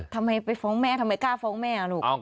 ทำไมไปฟ้องแม่ทำไมกล้าฟ้องแม่ลูก